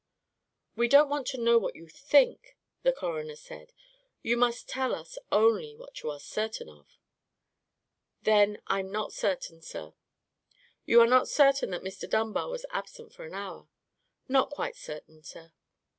"We don't want to know what you think," the coroner said; "you must tell us only what you are certain of." "Then I'm not certain, sir." "You are not certain that Mr. Dunbar was absent for an hour?" "Not quite certain, sir."